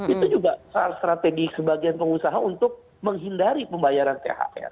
itu juga strategi sebagian pengusaha untuk menghindari pembayaran thr